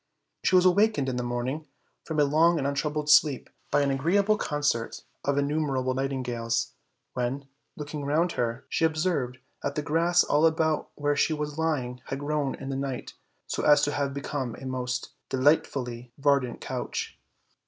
She was awakened in the morning from a long and untroubled sleep by an agreeable concert of innumerable nightingales, when, looking around her, she observed that the grass all about where she was lying had grown in the night so as to have become a most de lightfully verdant couch.